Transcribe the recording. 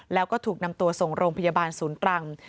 แล้วก็ถูกนำตัวส่งโรงพยาบาลศูนย์ตรัง